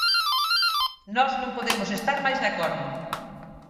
Nós non podemos estar máis de acordo.